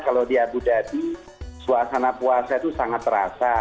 kalau di abu dhabi suasana puasa itu sangat terasa